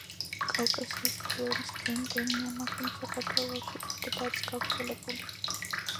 კავკასიის ფლორის ენდემია, მაგრამ საქართველოში ფართოდ არის გავრცელებული.